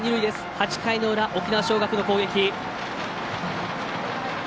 ８回の裏、沖縄尚学の攻撃。